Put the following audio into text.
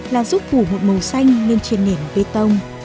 là giúp phủ một màu xanh lên trên nền bê tông